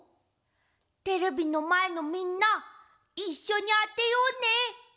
テレビのまえのみんないっしょにあてようね！